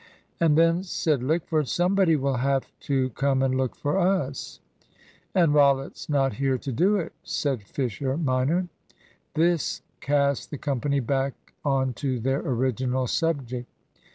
"And then," said Lickford, "somebody will have to come and look for us." "And Rollitt's not here to do it," said Fisher minor. This cast the company back on to their original subject.